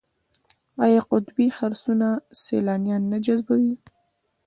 آیا قطبي خرسونه سیلانیان نه جذبوي؟